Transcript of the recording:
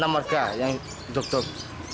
enam warga yang dok dok